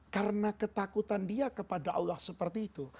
karena ketakutan dia kepada allah seperti itu